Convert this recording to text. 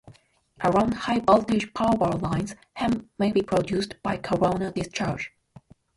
Around high-voltage power lines, hum may be produced by corona discharge.